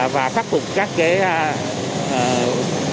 và phát phục các cái